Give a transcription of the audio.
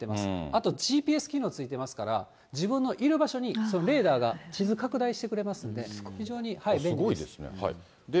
あとＧＰＳ機能付いてますから、自分のいる場所にレーダーが地図拡大してくれますんで、すごいですね。